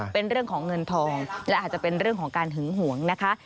เป็นเรื่องของเงินทองและอาจจะเป็นเรื่องของการหึงหวงนะคะ